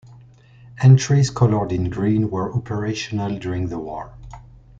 Entries coloured in green were operational during the war.